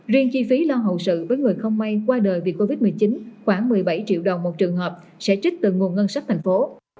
riêng chi phí lo hậu sự với người không may qua đời vì covid một mươi chín khoảng một mươi bảy triệu đồng một trường hợp sẽ trích từ nguồn ngân sách thành phố